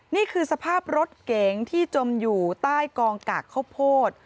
นี่คือสภาพรถเก๋งที่จมอยู่ใต้กองกากข้าวโพด